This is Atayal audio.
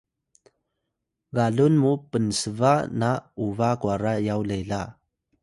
galun mu pnsba na uba kwara yaw lela